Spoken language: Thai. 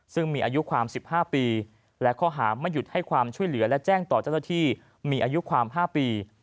ซึ่งมีอายุความ๑๕ปีและข้อหาไม่หยุดให้ความช่วยเหลือและแจ้งต่อเจ้าหน้าที่มีอายุความ๕ปี